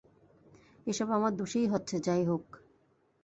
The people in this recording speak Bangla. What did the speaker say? এসব আমার দোষেই হচ্ছে, যাই হোক।